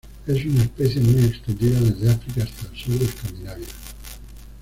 Es una especie muy extendida, desde África hasta el sur de Escandinavia.